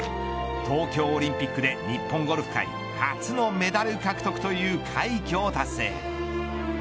東京オリンピックで日本ゴルフ界初のメダル獲得という快挙を達成。